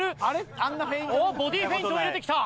おっボディーフェイントを入れてきた。